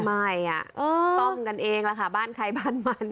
ไม่อ่ะซ่อมกันเองล่ะค่ะบ้านใครบ้านมัน